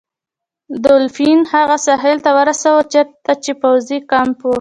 دولفین هغه ساحل ته ورساوه چیرته چې پوځي کمپ و.